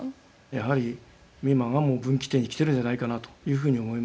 やはり今がもう分岐点に来てるんじゃないかなというふうに思います。